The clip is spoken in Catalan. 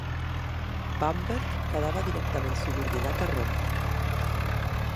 Bamberg quedava directament subordinat a Roma.